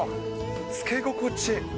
つけ心地